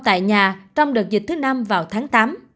tại nhà trong đợt dịch thứ năm vào tháng tám